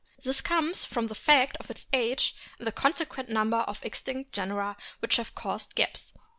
This comes from the fact of its age and the consequent number of extinct genera which have caused gaps.